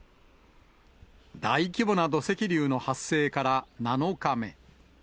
大規模な土石流の発生から７日目。